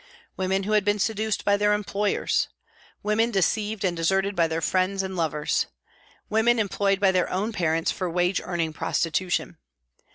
Women who had been seduced by their employers. Women deceived and deserted by their friends and lovers. Women employed by their own parents for wage earning prostitution.